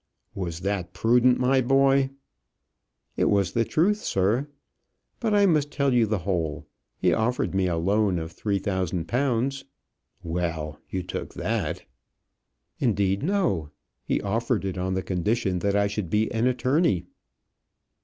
"Was that prudent, my boy?" "It was the truth, sir. But I must tell you the whole. He offered me a loan of three thousand pounds " "Well, you took that?" "Indeed, no. He offered it on the condition that I should be an attorney."